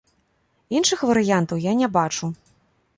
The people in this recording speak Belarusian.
Іншых варыянтаў я не бачу.